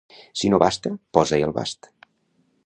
Si no basta, posa-hi el bast.